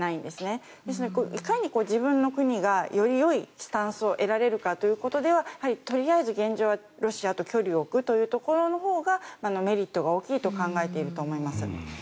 ですのでいかに自分の国がよりよいスタンスを得られるかということではとりあえず現状はロシアと距離を置くというところのほうがメリットが大きいと考えていると思います。